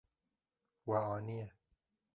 We aniye.